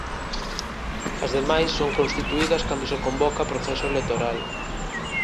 As demais son constituídas cando se convoca proceso electoral.